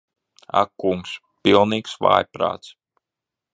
Ak kungs. Pilnīgs vājprāts.